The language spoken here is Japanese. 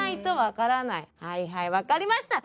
はいはい分かりました